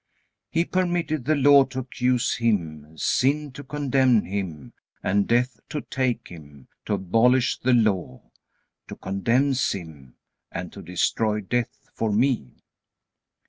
He permitted the Law to accuse Him, sin to condemn Him, and death to take Him, to abolish the Law, to condemn sin, and to destroy death for me.